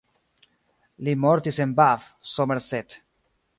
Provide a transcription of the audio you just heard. Li mortis en Bath, Somerset.